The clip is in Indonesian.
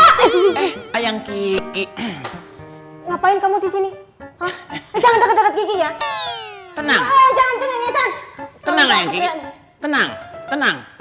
eh ayang kiki ngapain kamu disini jangan deket dua kiki ya tenang tenang tenang tenang